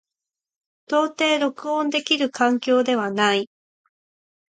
到底録音できる環境ではない。